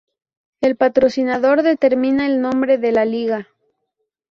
El patrocinador determina el nombre de la liga.